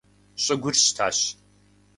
Щӏыгур щтащ.